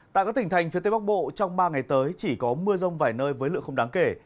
tại các tỉnh thành phía tây bắc bộ trong ba ngày tới chỉ có mưa rông vài nơi với lượng không đáng kể